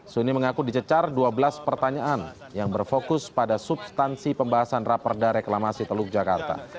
suni mengaku dicecar dua belas pertanyaan yang berfokus pada substansi pembahasan raperda reklamasi teluk jakarta